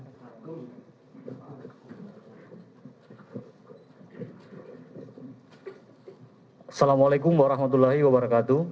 assalamualaikum warahmatullahi wabarakatuh